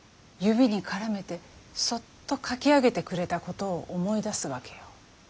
指に絡めてそっとかき上げてくれたことを思い出すわけよ。